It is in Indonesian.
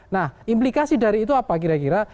nah implikasi dari itu apa kira kira